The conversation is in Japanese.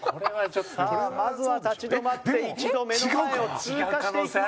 さあまずは立ち止まって一度目の前を通過していきます。